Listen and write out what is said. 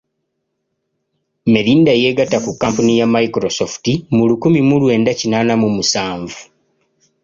Melinda yeegatta ku kkampuni ya Microsoft mu lukumi mu lwenda kinaana mu musanvu.